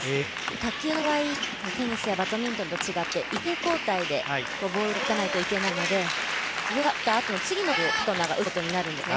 卓球の場合はテニスやバトミントンと違って、１球交代でボールを切らないといけないので、自分が打ったあとパートナーが打つことになるんですね。